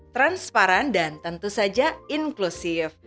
transparan dan tentu saja inklusif